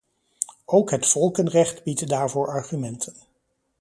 Ook het volkenrecht biedt daarvoor argumenten.